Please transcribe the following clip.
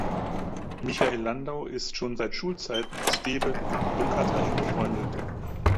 Michael Landau ist schon seit Schulzeiten mit Steve Lukather eng befreundet.